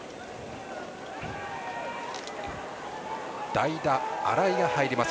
代打・新井が入ります。